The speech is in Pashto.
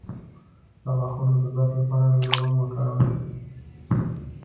د غاښونو د درد لپاره لونګ وکاروئ